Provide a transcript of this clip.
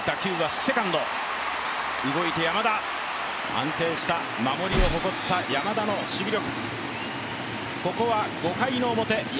安定した守りを誇った山田の守備力。